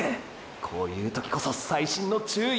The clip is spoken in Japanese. こういう時こそ細心の注意を払って！！